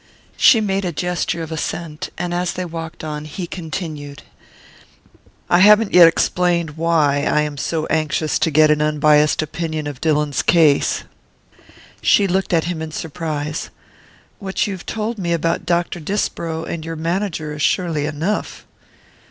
She made a gesture of assent, and as they walked on he continued: "I haven't yet explained why I am so anxious to get an unbiassed opinion of Dillon's case." She looked at him in surprise. "What you've told me about Dr. Disbrow and your manager is surely enough."